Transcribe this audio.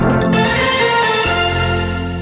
โอโหไทยแลนด์